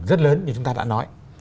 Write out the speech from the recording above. rất lớn như chúng ta đã nói